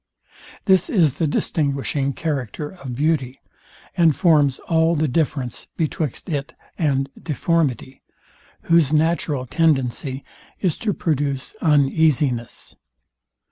This is the distinguishing character of beauty, and forms all the difference betwixt it and deformity, whose natural tendency is to produce uneasiness.